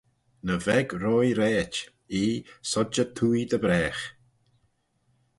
Ny veg roie raait, ee, sodjey twoaie dy bragh.